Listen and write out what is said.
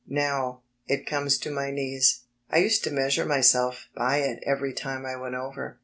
Now, it comes to my knees. 1 used to measure myself by it every time I went over.